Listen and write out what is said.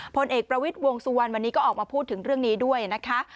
พลเอกประวิทย์วงสุวรรณวันนี้ก็ออกมาพูดถึงเรื่องนี้ด้วยนะคะ